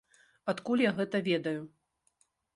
Адкуль я гэта ведаю?